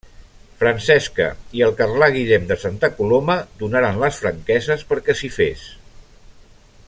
Francesca, i el Carlà Guillem de Santa Coloma, donaren les franqueses perquè s'hi fes.